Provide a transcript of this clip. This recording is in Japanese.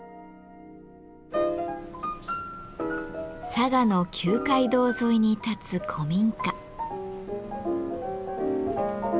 佐賀の旧街道沿いに立つ古民家。